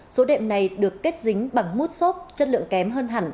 số đệm này được kết dính bằng mút xốp chất lượng kém hơn hẳn